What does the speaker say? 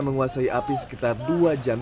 menguasai api sekitar dua jam